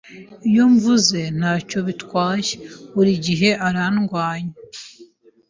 Ibyo mvuze ntacyo bitwaye, burigihe arandwanya.